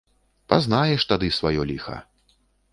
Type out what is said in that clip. Пазнаеш тады сваё ліха.